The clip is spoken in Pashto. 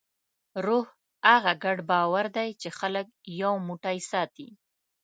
روح هغه ګډ باور دی، چې خلک یو موټی ساتي.